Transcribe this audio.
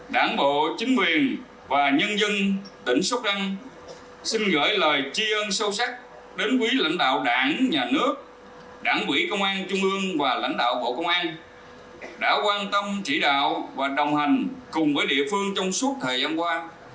đảng bộ chính quyền và nhân dân tỉnh sóc trăng xin gửi lời chi ân sâu sắc đến quý lãnh đạo đảng nhà nước đảng quỹ công an trung ương và lãnh đạo bộ công an đã quan tâm chỉ đạo và đồng hành cùng với địa phương trong suốt thời gian qua